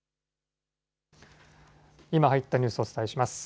今入ったニュースをお伝えします。